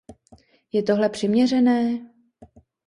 Je tohle přiměřené?